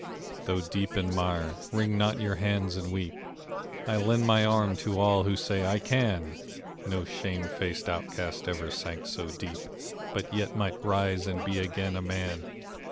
Though deep in mire, wring not your hands and weep; I lend my arm to all who say "I can!" No shame faced outcast ever sank so deep, But yet might rise and be again a man